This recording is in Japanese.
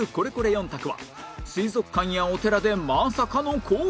４択は水族館やお寺でまさかの光景が